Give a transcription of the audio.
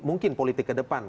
mungkin politik ke depan